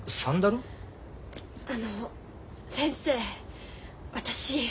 あの先生私。